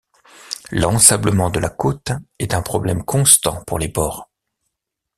L'ensablement de la côte est un problème constant pour les ports.